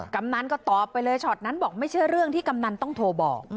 กำนันก็ตอบไปเลยช็อตนั้นบอกไม่ใช่เรื่องที่กำนันต้องโทรบอก